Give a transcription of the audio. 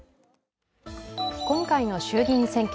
今回の衆議院選挙。